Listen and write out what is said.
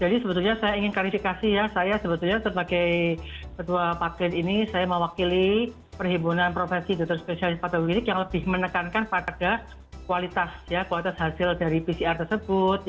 jadi sebetulnya saya ingin kalifikasi ya saya sebetulnya sebagai ketua pak klinik ini saya mewakili perhimpunan prof dr spesialis patologi klinik yang lebih menekankan pada kualitas hasil dari pcr tersebut